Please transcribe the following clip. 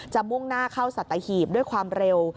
มุ่งหน้าเข้าสัตหีบด้วยความเร็ว